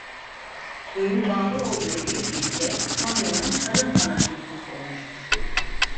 Köyün bağlı olduğu ilk ilçe Konya'nın Kadınhanı ilçesi olmuştur.